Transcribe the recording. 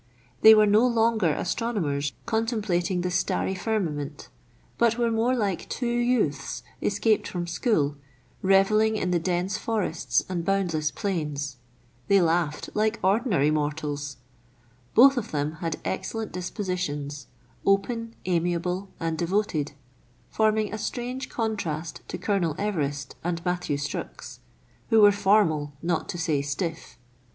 They were no longer astronomers contemplating the starry 54 meridiana; the adventures of firmament, but were more like two youths escaped from school, revelling in the dense forests and boundless plains. They laughed like ordinary mortals. Both of them had excellent dispositions, open, amiable, and devoted, forming a strange contrast to Colonel Everest and Matthew Strux, who were formal, not to say stiff.